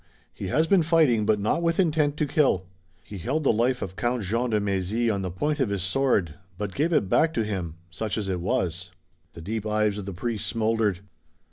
He has been fighting, but not with intent to kill. He held the life of Count Jean de Mézy on the point of his sword, but gave it back to him, such as it was." The deep eyes of the priest smoldered.